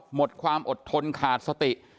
หมดความอดทนขาดสติ